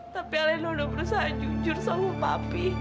tapi aleno udah berusaha jujur sama papi